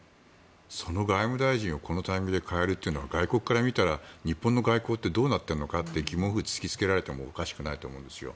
その外務大臣をこのタイミングで代えるというのは外国から見たら日本の外交ってどうなっているのかって疑問符を突きつけられてもおかしくないと思うんですよ。